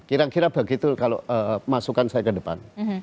kira kira begitu kalau masukan saya ke depan